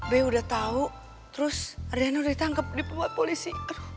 b udah tau terus adriana udah ditangkep di pemat polisi